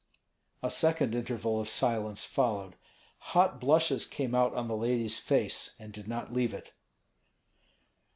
A second interval of silence followed. Hot blushes came out on the lady's face, and did not leave it.